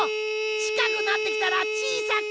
ちかくなってきたらちいさく。